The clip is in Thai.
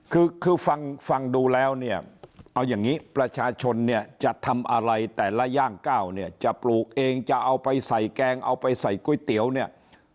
คือคือฟังดูแล้วเนี่ยเอาอย่างนี้ประชาชนเนี่ยจะทำอะไรแต่ละย่างก้าวเนี่ยจะปลูกเองจะเอาไปใส่แกงเอาไปใส่ก๋วยเตี๋ยวเนี่ย